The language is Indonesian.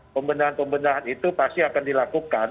pembendahan pembendahan itu pasti akan dilakukan